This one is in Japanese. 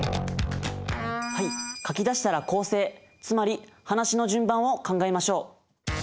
はい書き出したら構成つまり話の順番を考えましょう。